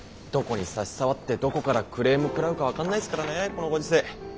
どこに差し障ってどこからクレーム食らうか分かんないすからねこのご時世。